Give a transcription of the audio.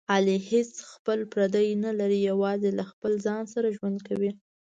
علي هېڅ خپل پردی نه لري، یوازې له خپل ځان سره ژوند کوي.